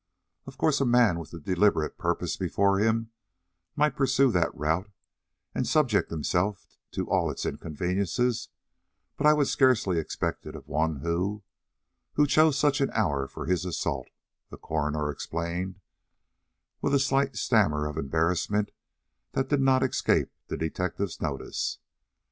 Of course a man with a deliberate purpose before him might pursue that route and subject himself to all its inconveniences; but I would scarcely expect it of one who who chose such an hour for his assault," the coroner explained, with a slight stammer of embarrassment that did not escape the detective's notice.